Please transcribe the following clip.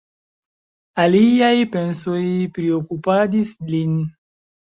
Aliaj pensoj priokupadis lin.